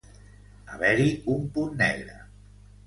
Haver-hi un punt negre.